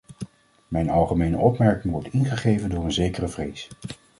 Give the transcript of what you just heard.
Mijn algemene opmerking wordt ingegeven door een zekere vrees.